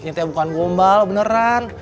ini te bukan gombal beneran